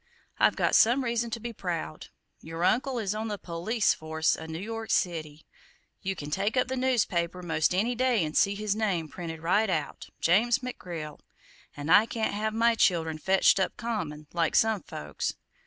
I've got some reason to be proud; your uncle is on the po lice force o' New York city; you can take up the newspaper most any day an' see his name printed right out James McGrill, and I can't have my childern fetched up common, like some folks.